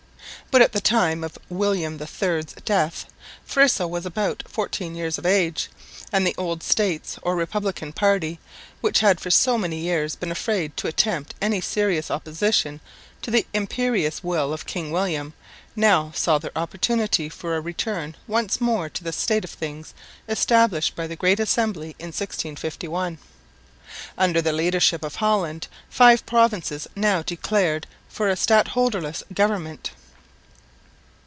But at the time of William III's death Friso was but fourteen years of age; and the old "States" or "Republican" party, which had for so many years been afraid to attempt any serious opposition to the imperious will of King William, now saw their opportunity for a return once more to the state of things established by the Great Assembly in 1651. Under the leadership of Holland five provinces now declared for a stadholderless government.